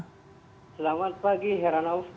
selamat pagi heranof